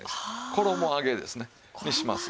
衣揚げですねにします。